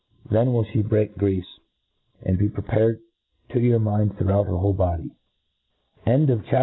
Then will flie break greafe, and be prepared to your mind. %pughQUt her whole body, CHAP.